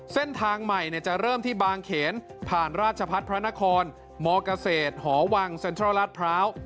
เส้นทางใหม่จะเริ่มที่บางเขนผ่านราชพัฒน์พระนครมเกษตรหอวังเซ็นทรัลลาดพร้าว